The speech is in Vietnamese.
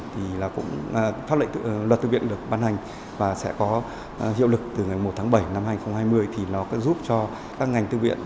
thì nó có giúp cho các ngành thư viện